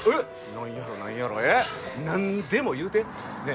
何やろ何やろえっ何でも言うてねえ